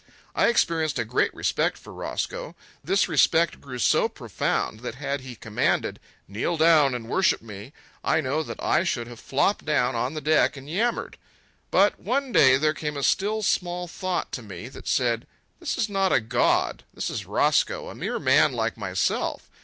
I experienced a great respect for Roscoe; this respect grew so profound that had he commanded, "Kneel down and worship me," I know that I should have flopped down on the deck and yammered. But, one day, there came a still small thought to me that said: "This is not a god; this is Roscoe, a mere man like myself.